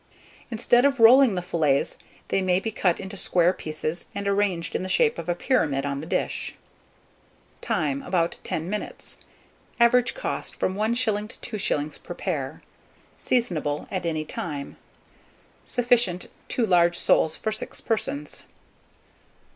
Instead of rolling the fillets, they may be cut into square pieces, and arranged in the shape of a pyramid on the dish. Time. About 10 minutes. Average cost, from 1s. to 2s. per pair. Seasonable at any time. Sufficient, 2 large soles for 6 persons.